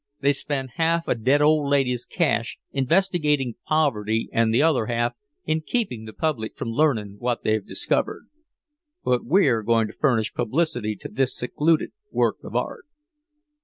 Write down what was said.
They spend half a dead old lady's cash investigating poverty and the other half in keeping the public from learning what they've discovered. But we're going to furnish publicity to this secluded work of art.